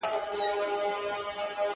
دلته ښخ د کلي ټول مړه انسانان دي,